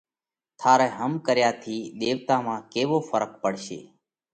ٿارئہ هم ڪريا ٿِي ۮيوَتا مانه ڪيوو ڦرق پڙشي؟